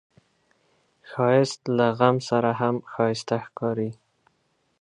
ښایست له غم سره هم ښايسته ښکاري